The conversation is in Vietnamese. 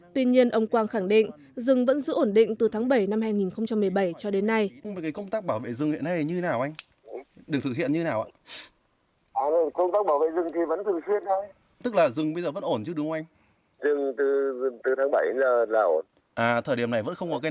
tuy nhiên ông quang khẳng định rừng vẫn giữ ổn định từ tháng bảy năm hai nghìn một mươi bảy cho đến nay